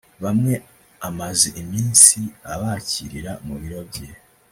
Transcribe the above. Bamwe amaze iminsi abakirira mu biro bye